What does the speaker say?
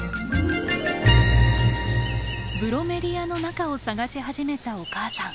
ブロメリアの中を探し始めたお母さん。